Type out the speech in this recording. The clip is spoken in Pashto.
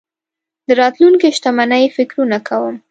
د راتلونکې شتمنۍ فکرونه کوم.